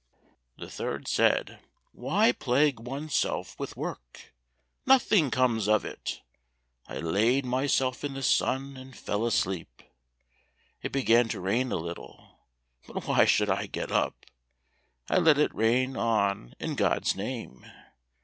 The third said, "Why plague oneself with work? Nothing comes of it! I laid myself in the sun, and fell asleep. It began to rain a little, but why should I get up? I let it rain on in God's name.